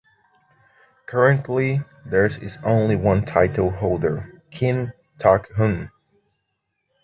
Currently there is only one title holder, Kim Tok-hun.